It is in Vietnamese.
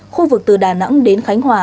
khu vực từ đà nẵng đến khánh hòa